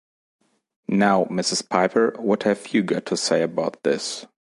Now, Mrs. Piper, what have you got to say about this?